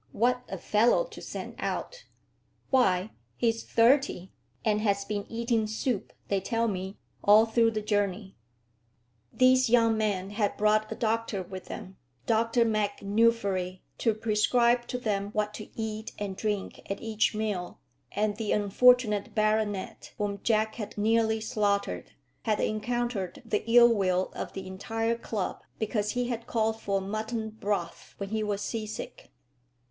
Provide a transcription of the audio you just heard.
What a fellow to send out! Why, he's thirty, and has been eating soup, they tell me, all through the journey." These young men had brought a doctor with them, Dr MacNuffery, to prescribe to them what to eat and drink at each meal; and the unfortunate baronet whom Jack had nearly slaughtered, had encountered the ill will of the entire club because he had called for mutton broth when he was sea sick.